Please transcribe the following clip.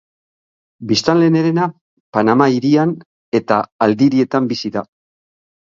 Biztanleen herena Panama Hirian eta aldirietan bizi da.